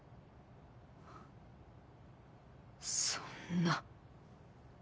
そんな。